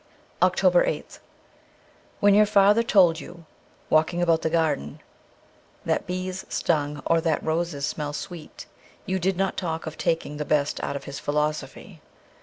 3J3 OCTOBER 8th WHEN your father told you, walking about the garden, that bees stung or that roses smell sweet, you did not talk of taking the best out of his philosophy.